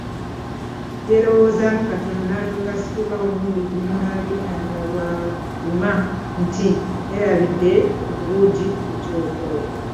Yeelowoozaamu katono n’alyoka asituka omulundi gumu n’agenda nga bw’adduma nti, “Neerabidde obuugi ku kyoto!